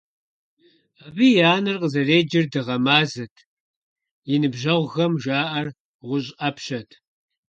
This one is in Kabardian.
Абы и анэр къызэреджэр Дыгъэ-Мазэт, и ныбжьэгъухэм жаӀэр ГъущӀ Ӏэпщэт!